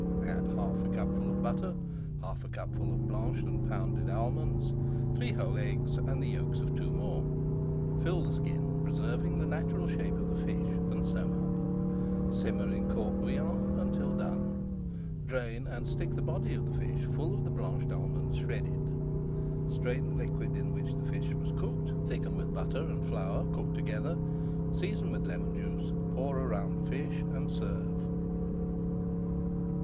Add half a cupful of butter, half a cupful of blanched and pounded almonds, three whole eggs, and the yolks of two more. Fill the skin, preserving the natural shape of the fish, and sew up. Simmer in court bouillon until done, drain, and stick the body of the fish full of blanched almonds shredded. Strain the liquid in which the fish was cooked, thicken with butter and flour cooked together, season with lemon juice, pour around the fish, and serve.